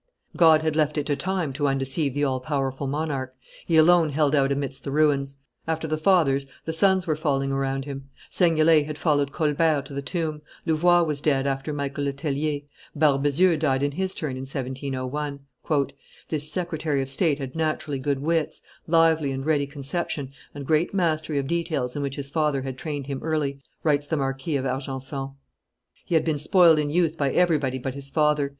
God had left it to time to undeceive the all powerful monarch; he alone held out amidst the ruins; after the fathers the sons were falling around him; Seignelay had followed Colbert to the tomb; Louvois was dead after Michael Le Tellier; Barbezieux died in his turn in 1701. "This secretary of state had naturally good wits, lively and ready conception, and great mastery of details in which his father had trained him early," writes the Marquis of Argenson. He had been spoiled in youth by everybody but his father.